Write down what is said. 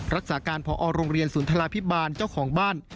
รักษาการพอโรงเรียนศูนย์ทราพิบาลเจ้าของบ้าน